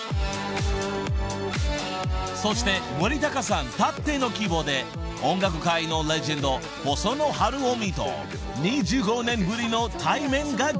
［そして森高さんたっての希望で音楽界のレジェンド細野晴臣と２５年ぶりの対面が実現］